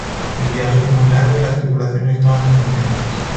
El viaje fue muy largo y las tripulaciones estaban descontentas.